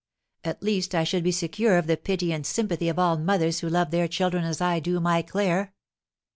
At least I should be secure of the pity and sympathy of all mothers who loved their children as I do my Claire.